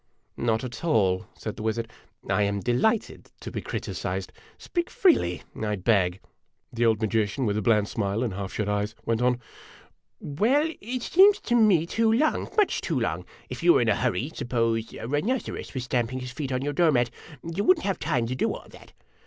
"Not at all," said the wizard. "I am delighted to be criticized. O Speak freely, I beg !" The old magician, with a bland smile and half shut eyes, went on: "Well, it seems to me too lorn*" much too lone If vou *_> o J were in a hurry, suppose a rhinoceros was stamping his feet on your door mat, you would n't have time to do all that.